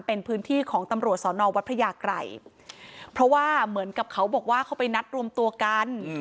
เป็นพื้นที่ของตำรวจสอนอวัดพระยากรัยเพราะว่าเหมือนกับเขาบอกว่าเขาไปนัดรวมตัวกัน